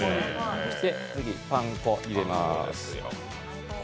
そしてパン粉を入れます。